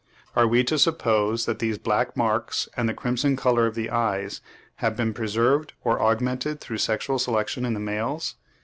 Are we to suppose that these black marks and the crimson colour of the eyes have been preserved or augmented through sexual selection in the males?